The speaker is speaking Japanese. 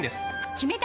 決めた！